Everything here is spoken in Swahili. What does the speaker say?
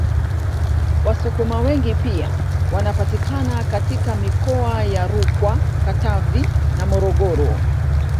Wasukuma wengi pia wanapatikana katika mikoa ya Rukwa Katavi na Morogoro